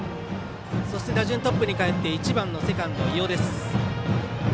そして、打順トップにかえって１番のセカンド、伊尾です。